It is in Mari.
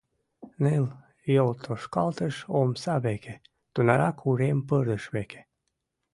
Ныл йолтошкалтыш — омса веке, тунарак — урем пырдыж веке.